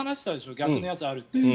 逆のやつあるって。